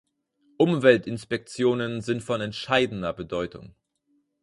Umweltinspektionen sind von entscheidender Bedeutung.